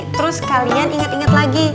terus kalian inget inget lagi